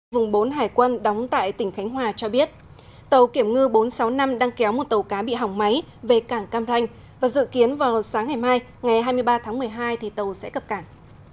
vùng bốn hải quân đóng tại tỉnh khánh hòa cho biết tàu kiểm ngư bốn trăm sáu mươi năm đang kéo một tàu cá bị hỏng máy về cảng cam ranh và dự kiến vào sáng ngày mai ngày hai mươi ba tháng một mươi hai tàu sẽ cập cảng